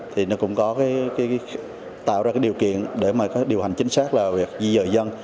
thì nó cũng có tạo ra điều kiện để mà điều hành chính xác là việc di rời dân